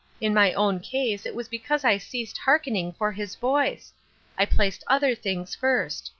In my own case it was because I ceased ' hearkening ' for his voice. I placed other things first.